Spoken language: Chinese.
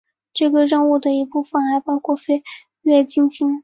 这个任务的一部分还包括飞越金星。